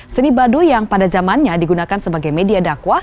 seni baduy yang pada zamannya digunakan sebagai media dakwah